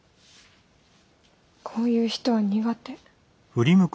こういう人は苦手。